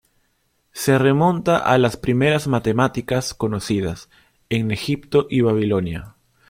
Se remonta a las primeras matemáticas conocidas, en Egipto y Babilonia.